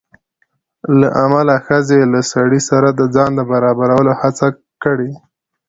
له امله ښځې له سړي سره د ځان د برابرولو هڅه کړې